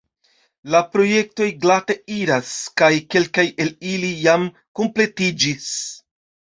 La projektoj glate iras kaj kelkaj el ili jam kompletiĝis.